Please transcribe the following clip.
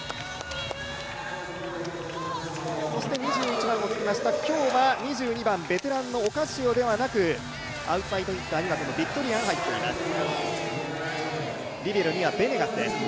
そして２１番をつけました、今日は２２番のベテランのオカシオではなく、アウトサイドヒッターにはビクトリアが入っています。